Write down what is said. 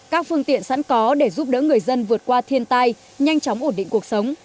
các phương tiện sẵn có để giúp đỡ người dân vượt qua thiên tai nhanh chóng ổn định cuộc sống